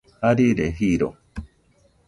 Jarire jiro.